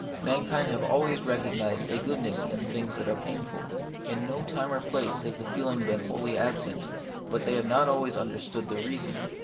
Mankind have always recognised a goodness in things that are painful. In no time or place has the feeling been wholly absent ; but they have not always understood the reason.